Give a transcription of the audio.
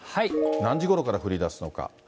何時ごろから降りだすのか。